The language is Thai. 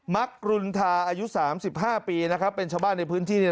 มักกรุณทาอายุ๓๕ปีนะครับเป็นชาวบ้านในพื้นที่เนี่ย